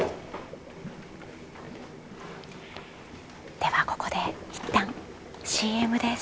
ではここでいったんＣＭです。